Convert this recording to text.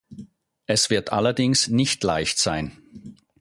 Es wird allerdings nicht leicht sein.